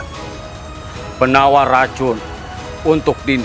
samudaya setelah sehrunding